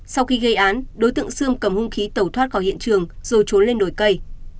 sau khi gây án đối tượng sương cầm hung khí tẩu thoát khỏi hiện trường rồi trốn lên đồi cây